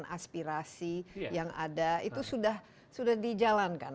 apakah itu sudah dijalankan